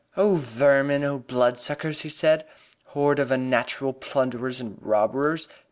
"Oh, vermin! Oh, bloodsuckers!" he said. "Horde of unnatural plunderers and robbers!